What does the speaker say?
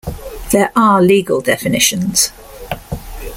There are legal definitions.